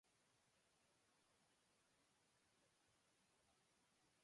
Seperti menggantang asap